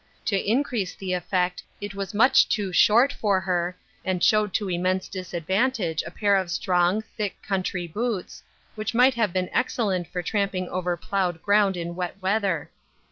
To increase the effect it was much too short for her, and showed to immense disadvantage a pair of strong, thick country boots, which might have been excellent for tramping over plowed ground in wet weather.